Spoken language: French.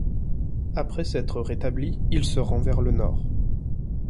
Après s’être rétabli, il se rend vers le nord.